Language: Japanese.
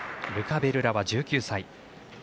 ルカ・ベルラワ、１９歳。